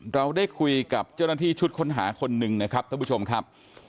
เราได้คุยกับเจ้าหน้าที่ชุดค้นหาคนหนึ่งนะครับท่านผู้ชมครับ